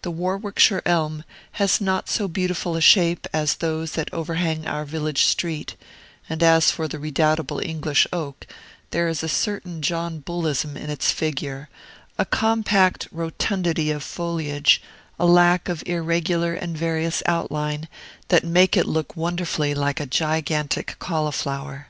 The Warwickshire elm has not so beautiful a shape as those that overhang our village street; and as for the redoubtable English oak, there is a certain John Bullism in its figure, a compact rotundity of foliage, a lack of irregular and various outline, that make it look wonderfully like a gigantic cauliflower.